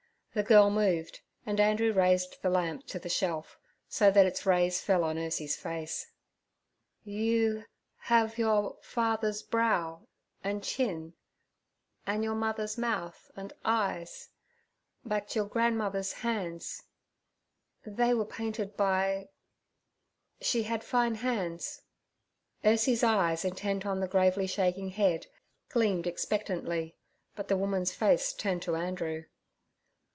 The girl moved, and Andrew raised the lamp to the shelf, so that its rays fell on Ursie's face. 'You—have—your father's brow—and—chin, and—your—mother's—mouth—and—eyes, but your—grandmother's—hands. They—were—painted—by—. She had fine hands—' Ursie's eyes, intent on the gravely shaking head, gleamed expectantly, but the woman's face turned to Andrew.